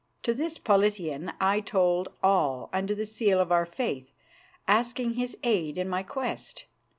To this Politian I told all under the seal of our Faith, asking his aid in my quest.